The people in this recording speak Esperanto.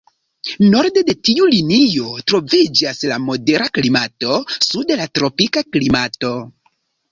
Norde de tiu linio troviĝas la modera klimato, sude la tropika klimato.